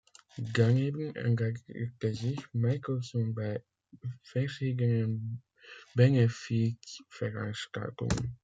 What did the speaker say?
Daneben engagierte sich Michaelson bei verschiedenen Benefizveranstaltungen.